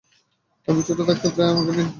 আমি ছোট থাকতে প্রায়ই আমাকে নিয়ে যেত সাথে করে।